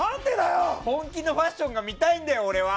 本気のファッションが見たいんだよ、俺は！